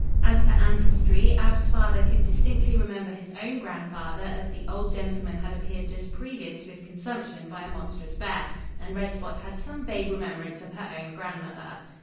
As to ancestry, Ab's father could distinctly remember his own grandfather as the old gentleman had appeared just previous to his consumption by a monstrous bear, and Red Spot had some vague remembrance of her own grandmother.